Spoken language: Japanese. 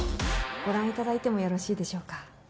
ご覧いただいてもよろしいでしょうか。